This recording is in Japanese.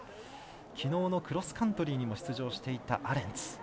きのうのクロスカントリーにも出場していたアレンツ。